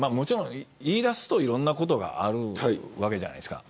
言い出すと、いろんなことがあるわけじゃないですか。